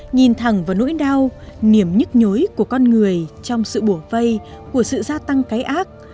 nhìn thẳng vào nỗi đau niềm nhức nhối của con người trong sự bổ vây của sự gia tăng cái ác